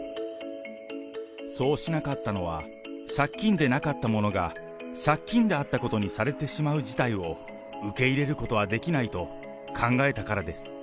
そうしなかったのは、借金でなかったものが借金であったことにされてしまう事態を受け入れることはできないと考えたからです。